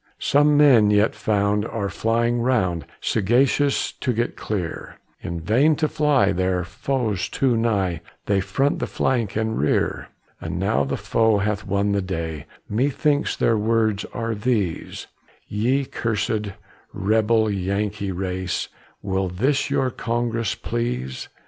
Some men yet found are flying round Sagacious to get clear; In vain to fly, their foes too nigh! They front the flank and rear. And now the foe hath won the day, Methinks their words are these: "Ye cursed, rebel, Yankee race, Will this your Congress please?